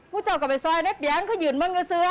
ผู้เจ้ากำลังไปซอยในเปียงเขาหยุดบ้างก็เสื้อ